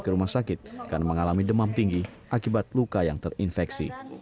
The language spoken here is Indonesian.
ke rumah sakit karena mengalami demam tinggi akibat luka yang terinfeksi